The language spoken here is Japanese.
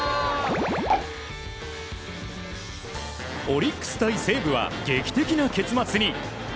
オリックス対西武は劇的な結末に。